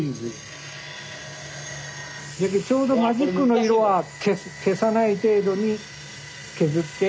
ちょうどマジックの色は消さない程度に削って。